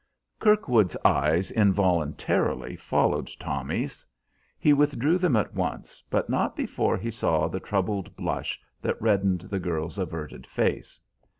Kirkwood's eyes involuntarily followed Tommy's. He withdrew them at once, but not before he saw the troubled blush that reddened the girl's averted face.